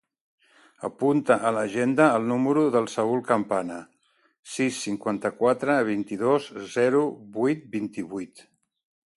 Apunta a l'agenda el número del Saül Campaña: sis, cinquanta-quatre, vint-i-dos, zero, vuit, vint-i-vuit.